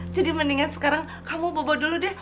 jadi mendingan sekarang kamu bobo dulu deh